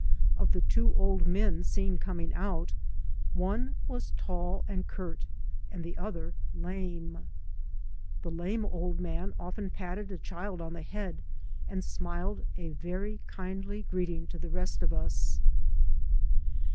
Of the two old men seen coming out, one was tall and curt, 3 by Google MY MOTHER AND I and the other lame. The lame old man often patted a child on the head, and smiled a very kindly greeting to the rest of us.